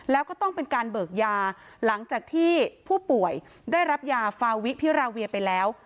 แล้วก็ต้องเป็นการเบิกยาหลังจากที่ผู้ป่วยได้รับยาฟาวิพิราเวียไปแล้ว